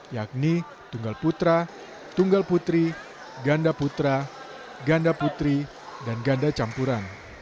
yakni tunggal putra tunggal putri ganda putra ganda putri dan ganda campuran